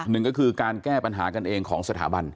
หนึ่งก็คือการแก้ปัญหากันเองของสถาบัน